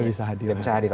tidak bisa hadir